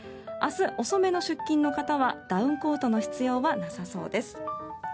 明日、遅めの出勤の方はダウンコートの必要はなさそうです。